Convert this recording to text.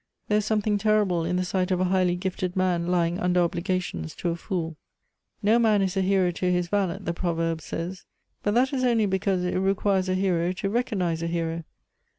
" There is something terrible in the sight of a highly gifted man lying under obligations to a fool. "' N"o man is a hero to his valet,' the proverb says. But that is only because it requires a hero to recognize a hero.